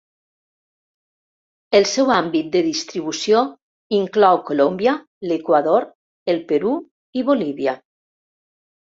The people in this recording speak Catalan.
El seu àmbit de distribució inclou Colòmbia, l'Equador, el Perú i Bolívia.